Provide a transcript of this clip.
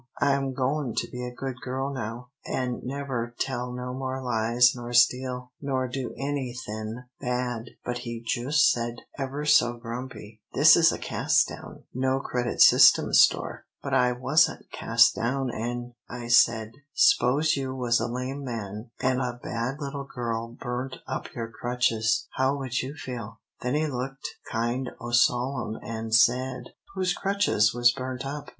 I'm goin' to be a good girl now, an' never tell no more lies nor steal, nor do anythin' bad,' but he jus' said ever so grumpy, 'This is a cast down, no credit system store,' but I wasn't cas' down, an' I said, 'S'pose you was a lame man, an' a bad little girl burnt up your crutches, how would you feel? 'Then he looked kind o' solemn, an' said, 'Whose crutches was burnt up?'